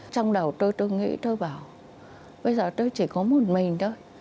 trong đầu tôi tôi nghĩ tôi bảo bây giờ tôi chỉ có một mình thôi